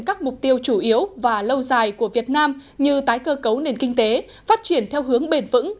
các mục tiêu chủ yếu và lâu dài của việt nam như tái cơ cấu nền kinh tế phát triển theo hướng bền vững